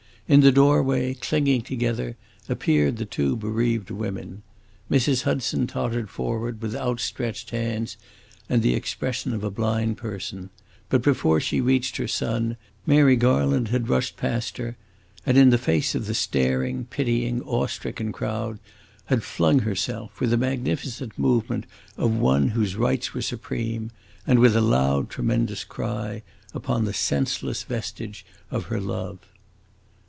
In the doorway, clinging together, appeared the two bereaved women. Mrs. Hudson tottered forward with outstretched hands and the expression of a blind person; but before she reached her son, Mary Garland had rushed past her, and, in the face of the staring, pitying, awe stricken crowd, had flung herself, with the magnificent movement of one whose rights were supreme, and with a loud, tremendous cry, upon the senseless vestige of her love.